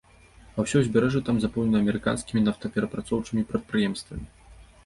А ўсё ўзбярэжжа там запоўненае амерыканскімі нафтаперапрацоўчымі прадпрыемствамі.